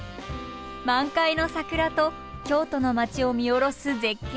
満開の桜と京都の街を見下ろす絶景が。